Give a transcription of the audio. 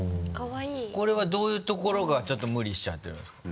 これはどういう所がちょっと無理しちゃってるんですか？